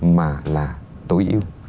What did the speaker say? mà là tối ưu